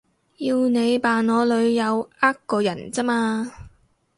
要你扮我女友呃個人咋嘛